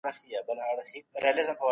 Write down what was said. له تجربو زده کړه وکړئ.